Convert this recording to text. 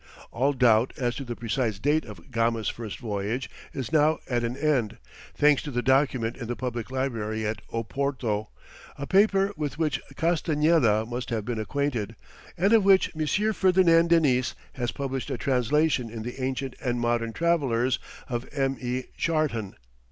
All doubt as to the precise date of Gama's first voyage is now at an end, thanks to the document in the public library at Oporto, a paper with which Castañeda must have been acquainted, and of which M. Ferdinand Denis has published a translation in the Ancient and Modern Travellers of M. E. Charton.